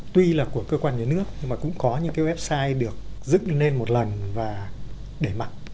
tuy là của cơ quan nhà nước nhưng mà cũng có những cái website được dựng lên một lần và để mặc